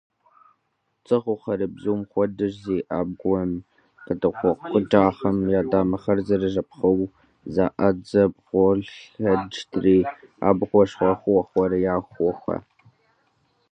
ЦӀыхухэри бзум хуэдэщ: зы абгъуэм къихъукӀахэм, я дамэхэр зэрыжэпхъыу, заӀэт зэбгролъэтыкӀри, абгъуэ щхьэхуэхэр яухуэ.